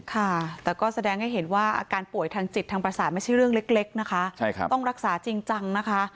ค่ะแต่ก็แสดงให้เห็นว่าอาการป่วยทางจิตทางประสาทไม่ใช่เรื่องเล็กนะคะต้องรักษาจริงจังนะคะ